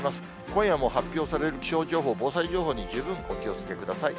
今夜も発表される気象情報、防災情報に、十分お気をつけください。